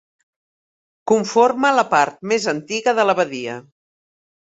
Conforma la part més antiga de l'abadia.